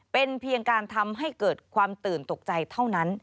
เป็นเพียงการทำให้เกิดความตื่นตกใจเท่านั้น